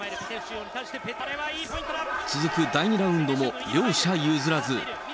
続く第２ラウンドも両者譲らず。